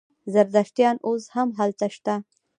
زردشتیان اوس هم هلته شته.